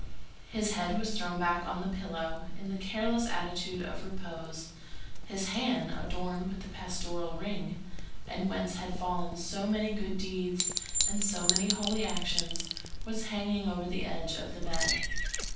His head was thrown back on the pillow, in the careless attitude of repose; his hand, adorned with the pastoral ring, and whence had fallen so many good deeds and so many holy actions, was hanging over the edge of the bed.